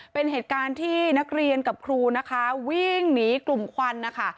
เป็นเหตุการณ์ที่นักเรียนกับครูนะคะวิ่งหนีกลุ่มควันนะคะ